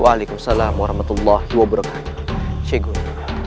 waalaikumsalam warahmatullahi wabarakatuh syekh guru